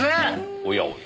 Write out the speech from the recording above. おやおや。